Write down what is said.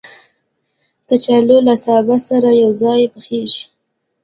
کچالو له سابه سره یو ځای پخېږي